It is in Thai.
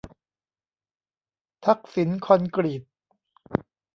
ทักษิณคอนกรีต